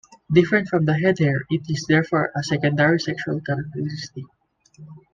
Different from the head hair it is therefore a secondary sexual characteristic.